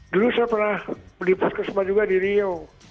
dulu saya pernah di puskesmas juga di riau